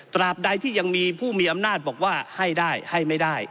ตราบใดที่ยังมีผู้มีอำนาจบอกว่าให้ได้ให้ไม่ได้